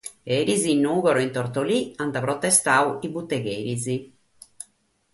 Eris in Nùgoro e in Tortolì ant protestadu sos butegheris.